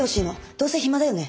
どうせ暇だよね？